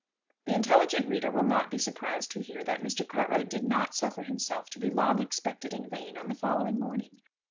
The intelligent reader will not be surprised to hear that Mr. Cartwright did not suffer himself to be long expected in vain on the following morning.